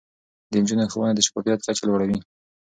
د نجونو ښوونه د شفافيت کچه لوړه کوي.